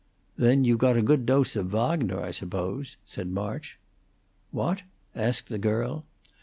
"Then you got a good dose of Wagner, I suppose?" said March. "What?" asked the girl.